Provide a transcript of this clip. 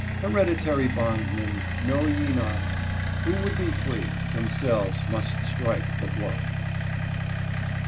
' 'Hereditary bondmen, know ye not Who would be free, themselves must strike the blow